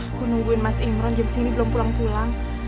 aku nungguin mas imron jam sini belum pulang pulang